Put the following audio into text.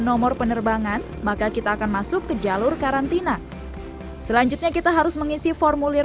nomor penerbangan maka kita akan masuk ke jalur karantina selanjutnya kita harus mengisi formulir